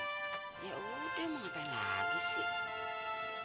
yaudah mau ngapain lagi sih